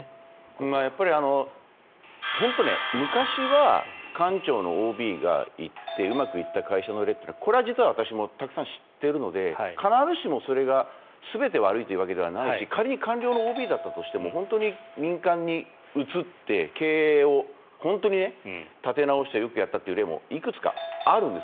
やっぱり本当、昔は官庁のＯＢが行ってうまくいった会社の例というのはこれは実は私もたくさん知っているので必ずしもそれが全て悪いというわけではないし仮に官僚のＯＢだったとしても民間に移って経営を本当に立て直してよくやったという例もいくつかあるんです。